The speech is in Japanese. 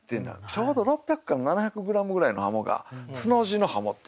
ちょうど６００から７００グラムぐらいの鱧が「つの字の鱧」って。